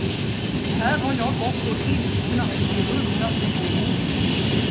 Här har jag gått och ilsknat i runda tio år.